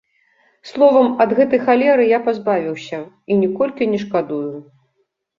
Словам, ад гэтай халеры я пазбавіўся і ніколькі не шкадую.